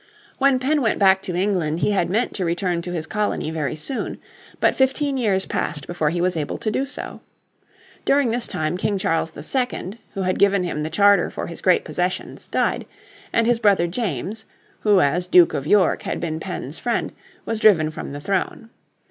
When Penn went back to England he had meant to return to his colony very soon. But fifteen years passed before be was able to do so. During this time King Charles II, who had given him the charter for his great Possessions, died, and his brother James, who as Duke of York had been Penn's friend, was driven from the throne.